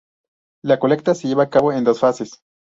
La colecta se lleva a cabo en dos fases.